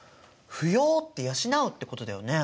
扶養って養うってことだよね。